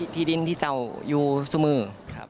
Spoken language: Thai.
ที่ดินที่เจ้าอยู่ซึ่งมือ